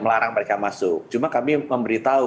melarang mereka masuk cuma kami memberitahu